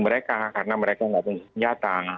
mereka karena mereka tidak punya senjata